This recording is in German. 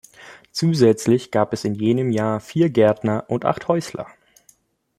Zusätzlich gab es in jenem Jahr vier Gärtner und acht Häusler.